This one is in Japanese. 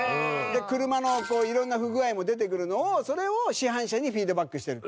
車の色んな不具合も出てくるのをそれを市販車にフィードバックしてる。